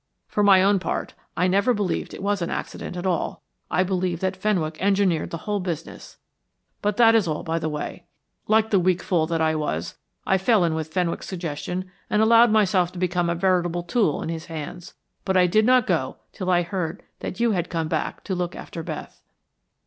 For my own part, I never believed it was an accident at all. I believed that Fenwick engineered the whole business. But that is all by the way. Like the weak fool that I was, I fell in with Fenwick's suggestion and allowed myself to become a veritable tool in his hands, but I did not go till I heard that you had come back again to look after Beth."